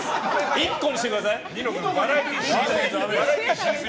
１個にしてください。